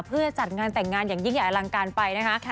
เพื่อจัดงานแต่งงานอย่างยิ่งใหญ่อลังการไปนะคะ